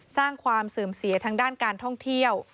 สร้างความเสื่อมเสียทางด้านการท่องเที่ยว